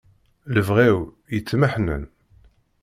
Lebɣi-w yettmeḥnen.